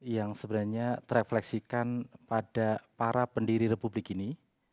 yang sebenarnya terefleksikan pada para pendiri republik ini